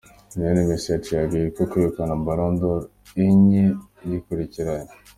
Lionel Messi yaciye agahigo ko kwegukana ballon d’or inye yikurikiranya.